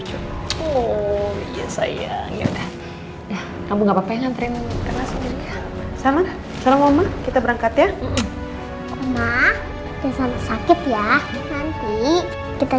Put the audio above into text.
oh iya sayang ya udah kamu ngapain nantain sama sama kita berangkat ya sakit ya nanti kita